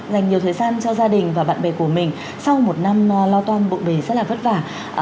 dành nhiều thời gian cho gia đình và bạn bè của mình sau một năm lo toan bộn bề rất là vất vả